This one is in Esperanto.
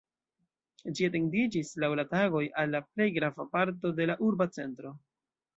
Ĝi etendiĝis, laŭ la tagoj, al la plej grava parto de la urba centro.